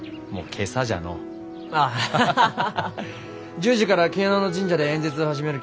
１０時から昨日の神社で演説を始めるき。